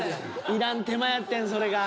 いらん手間やってんそれが。